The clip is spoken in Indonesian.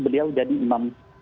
beliau jadi imam